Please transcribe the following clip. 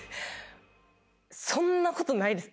そんなことないです。